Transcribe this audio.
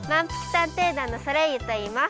探偵団のソレイユといいます。